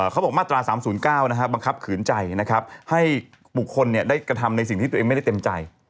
เขาบอกมาตรา๓๐๙บังคับขืนใจนะครับให้บุคคลได้กระทำในสิ่งที่ตัวเองไม่ได้เต็มใจ